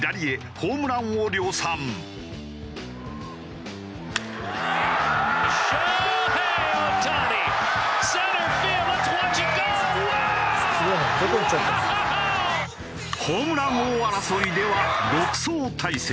ホームラン王争いでは独走態勢。